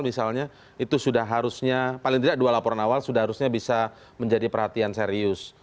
misalnya itu sudah harusnya paling tidak dua laporan awal sudah harusnya bisa menjadi perhatian serius